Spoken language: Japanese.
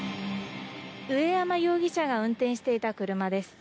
上山容疑者が運転していた車です。